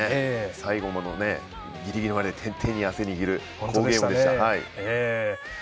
最後もギリギリまで手に汗握る、好ゲームでした。